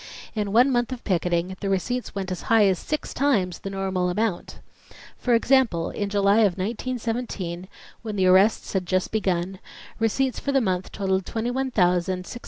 In one month of picketing the receipts went as high as six times the normal amount. For example in July of 1917, when the arrests had just begun, receipts for the month totalled $21,628.